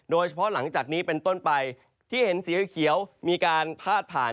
โดยเฉพาะหลังจากนี้เป็นต้นไปที่เห็นสีเขียวมีการพาดผ่าน